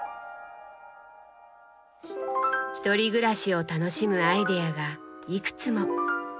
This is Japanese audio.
ひとり暮らしを楽しむアイデアがいくつも。